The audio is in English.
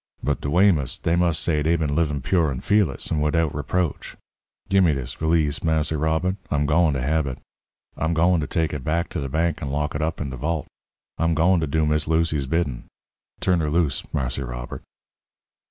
But de Weymouths, dey must say dey been livin' pure and fearless and widout reproach. Gimme dis valise, Marse Robert I'm gwine to hab it. I'm gwine to take it back to the bank and lock it up in de vault. I'm gwine to do Miss Lucy's biddin'. Turn 'er loose, Marse Robert."